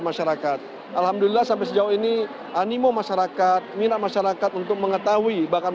masyarakat alhamdulillah sampai sejauh ini animo masyarakat minat masyarakat untuk mengetahui bahkan